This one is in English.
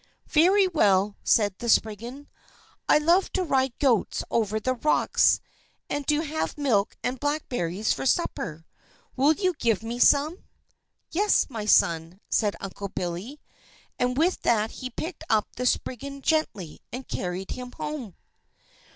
"Very well," said the Spriggan. "I love to ride goats over the rocks, and to have milk and blackberries for supper. Will you give me some?" "Yes, my son," said Uncle Billy; and with that he picked up the Spriggan gently, and carried him home.